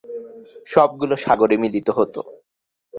সবগুলো সাগরে মিলিত হতো।